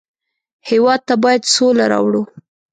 هېواد ته باید سوله راوړو